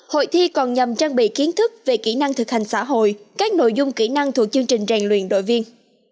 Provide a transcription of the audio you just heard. hội thi còn nhằm trang bị kiến thức về kỹ năng thực hành xã hội các nội dung kỹ năng thuộc chương trình rèn luyện đội viên